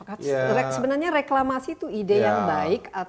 karena sebenarnya reklamasi itu ide yang baik